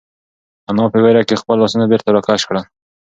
انا په وېره کې خپل لاسونه بېرته راکش کړل.